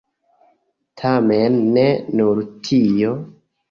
Tamen ne nur tio.